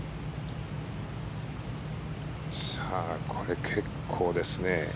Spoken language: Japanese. これ、結構ですね。